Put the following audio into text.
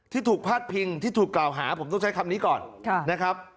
ที่ถูกพาดพิงที่ถูกกล่าวหาผมต้องใช้คำนี้ก่อนนะครับ